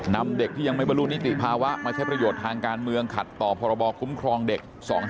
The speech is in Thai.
นำเด็กที่ยังไม่บรรลุนิติภาวะมาใช้ประโยชน์ทางการเมืองขัดต่อพรบคุ้มครองเด็ก๒๕๖